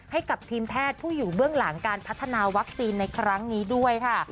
ให้กับทีมแพทย์ผู้อยู่เบื้องหลังการพัฒนาวัคซีนในครั้งนี้ด้วยค่ะ